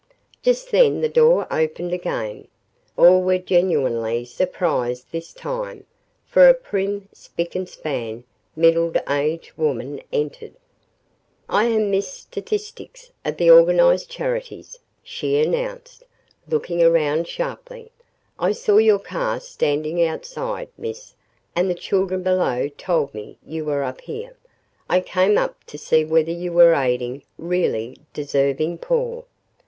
Just then the door opened again. All were genuinely surprised this time, for a prim, spick and span, middle aged woman entered. "I am Miss Statistix, of the organized charities," she announced, looking around sharply. "I saw your car standing outside, Miss, and the children below told me you were up here. I came up to see whether you were aiding really DESERVING poor."